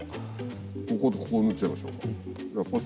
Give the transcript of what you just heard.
こことここ縫っちゃいましょうか？